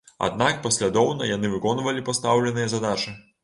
Аднак паслядоўна яны выконвалі пастаўленыя задачы.